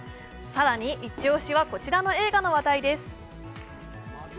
更に、一押しはこちらの映画の話題です。